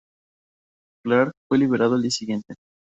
Clark fue liberado al día siguiente.